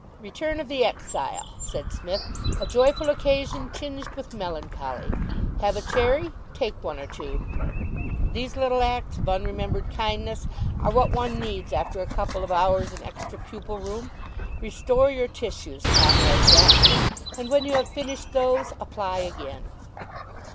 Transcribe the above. "Return of the exile," said Psmith. "A joyful occasion tinged with melancholy. Have a cherry? take one or two. These little acts of unremembered kindness are what one needs after a couple of hours in extra pupil room. Restore your tissues, Comrade Jackson, and when you have finished those, apply again.